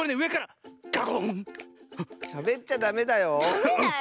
しゃべっちゃダメだよ。